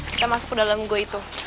kita masuk ke dalam go itu